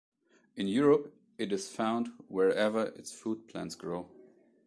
In Europe it is found wherever its food plants grow.